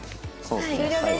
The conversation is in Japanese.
「終了です。